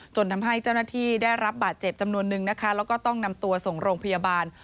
ทำให้เจ้าหน้าที่ได้รับบาดเจ็บจำนวนนึงนะคะแล้วก็ต้องนำตัวส่งโรงพยาบาล